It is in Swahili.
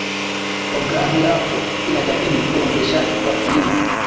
programu yako inajadili uendeshaji wa kilimo